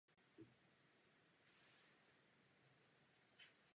Inteligence a chování nebyly zjevně narušeny.